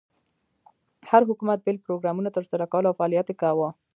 هر حکومت بېل پروګرامونه تر سره کول او فعالیت یې کاوه.